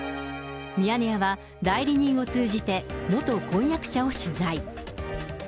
ミヤネ屋は代理人を通じて、元婚約者を取材。